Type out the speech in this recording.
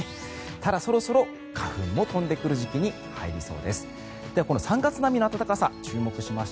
ただ、そろそろ花粉も飛んでくる時期に入りそうです。